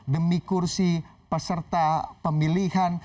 demi kursi peserta pemilihan